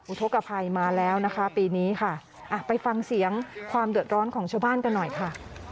ทกภัยมาแล้วนะคะปีนี้ค่ะอ่ะไปฟังเสียงความเดือดร้อนของชาวบ้านกันหน่อยค่ะ